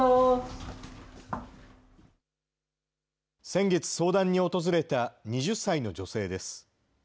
先月、相談に訪れた２０歳の女性です。